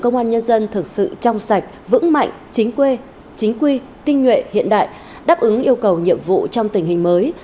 công an nhân dân thực sự trong sạch vững mạnh chính quy chính quy tinh nhuệ hiện đại đáp ứng yêu cầu nhiệm vụ trong tình hình mới